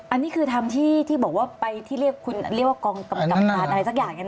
อันนี้คือทำที่ที่บอกว่าไปที่เรียกว่ากองกำกัดอะไรสักอย่างไงนะ